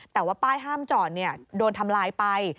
แต่ว่าป้ายห้ามจอดโดนทำลายไป